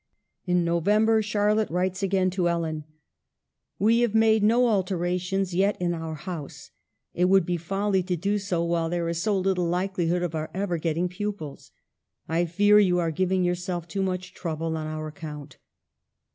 In November Charlotte writes again to Ellen :" We have made no alterations yet in our house. It would be folly to do so while there is so little likelihood of our ever getting pupils. I fear you are giving yourself too much trouble on our account.